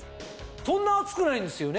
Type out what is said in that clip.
そんな厚くないんですよね？